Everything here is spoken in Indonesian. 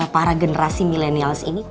para generasi milenials ini